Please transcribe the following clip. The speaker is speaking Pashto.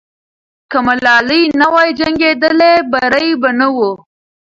که ملالۍ نه وای جنګېدلې، بری به نه وو.